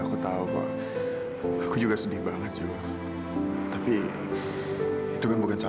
sampai jumpa di video selanjutnya